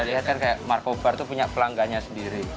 saya lihat kan kayak markobar tuh punya pelanggannya sendiri